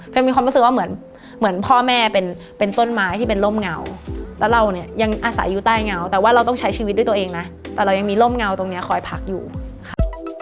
มีความรู้สึกว่าเหมือนเหมือนพ่อแม่เป็นต้นไม้ที่เป็นร่มเงาแล้วเราเนี่ยยังอาศัยอยู่ใต้เงาแต่ว่าเราต้องใช้ชีวิตด้วยตัวเองนะแต่เรายังมีร่มเงาตรงนี้คอยพักอยู่ค่ะ